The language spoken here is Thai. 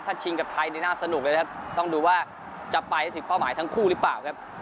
ถ้าชิงกับไทยนี่น่าสนุกเลยนะครับต้องดูว่าจะไปได้ถึงเป้าหมายทั้งคู่หรือเปล่าครับ